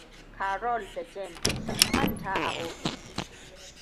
Carol da Jane sun manta a ofis.